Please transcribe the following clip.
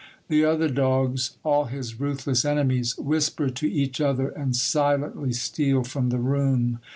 The other dogs, all his ruthless enemies, whisper to each other and silently steal from the room.